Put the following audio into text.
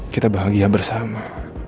kita bahagia bersama